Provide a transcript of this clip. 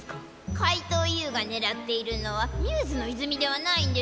かいとうＵがねらっているのはミューズのいずみではないんですの？